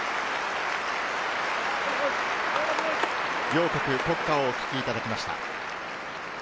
両国の国歌をお聞きいただきました。